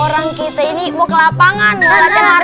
orang kita ini mau ke lapangan